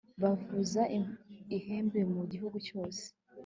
bavuza ihembe mu gihugu cyose